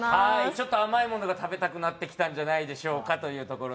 ちょっと甘いものが食べたくなってきたんじゃないでしょうか。